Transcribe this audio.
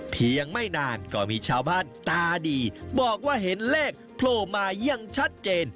ไม่นานก็มีชาวบ้านตาดีบอกว่าเห็นเลขโผล่มาอย่างชัดเจน